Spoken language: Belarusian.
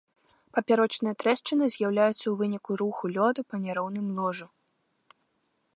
Папярочныя трэшчыны з'яўляюцца ў выніку руху лёду па няроўным ложу.